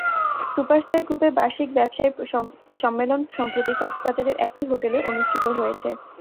Super star গ্রুপের বার্ষিক ব্যবসায়িক সম্মেলন সম্প্রতি কক্সবাজারের একটি হোটেলে অনুষ্ঠিত হয়েছে।